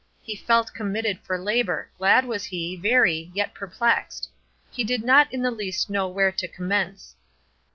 He felt committed for labor; glad was he, very, yet perplexed. He did not in the least know where to commence.